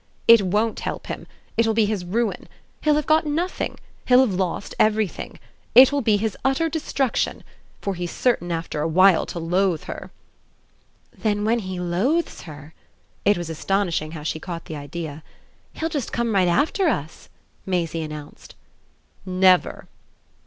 "It WON'T help him. It will be his ruin. He'll have got nothing. He'll have lost everything. It will be his utter destruction, for he's certain after a while to loathe her." "Then when he loathes her" it was astonishing how she caught the idea "he'll just come right after us!" Maisie announced. "Never."